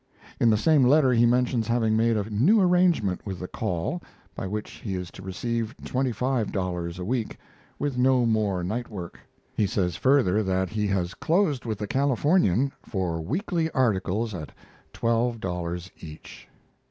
In the same letter he mentions having made a new arrangement with the Call, by which he is to receive twenty five dollars a week, with no more night work; he says further that he has closed with the Californian for weekly articles at twelve dollars each.